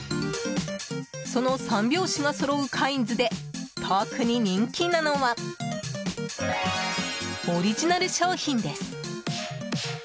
その３拍子がそろうカインズで特に人気なのはオリジナル商品です。